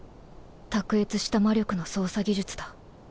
卓越した魔力の操作技術だ